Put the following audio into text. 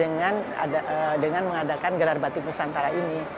mereka bisa menggunakan batik dengan mengadakan gelar batik nusantara ini